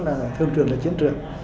là thương trường là chiến trường